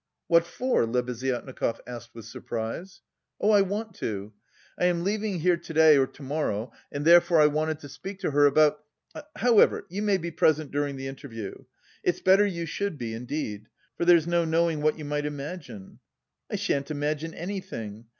"What for?" Lebeziatnikov asked with surprise. "Oh, I want to. I am leaving here to day or to morrow and therefore I wanted to speak to her about... However, you may be present during the interview. It's better you should be, indeed. For there's no knowing what you might imagine." "I shan't imagine anything.